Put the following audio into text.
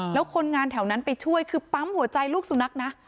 แล้วคนงานแถวนั้นไปช่วยคือปั๊มหัวใจลูกสุนัขนะ